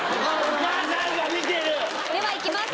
ではいきます